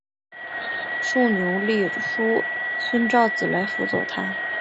竖牛立叔孙昭子来辅佐他。